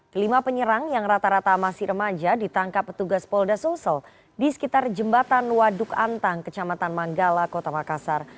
kelima penyerang yang rata rata masih remaja ditangkap petugas polda sulsel di sekitar jembatan waduk antang kecamatan manggala kota makassar